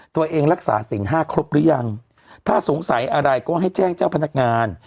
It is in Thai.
ตัวเองรักษาสินห้าครบหรือยังถ้าสงสัยอะไรก็ให้แจ้งเจ้าพนักงาน